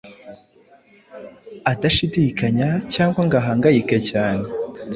adashidikanya cyangwa ngo ahangayike cyane